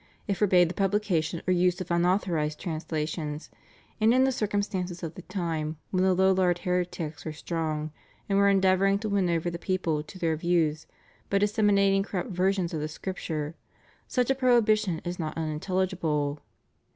It forbade the publication or use of unauthorised translations, and in the circumstances of the time, when the Lollard heretics were strong and were endeavouring to win over the people to their views by disseminating corrupt versions of the Scripture, such a prohibition is not unintelligible.